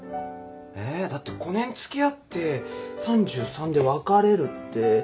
えだって５年付き合って３３で別れるって。